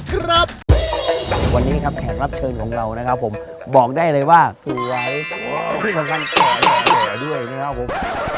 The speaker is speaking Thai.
ครับวันนี้ครับแขกรับเชิญของเรานะครับผมบอกได้เลยว่าถูกไว้ที่สำคัญขอด้วยนะครับผม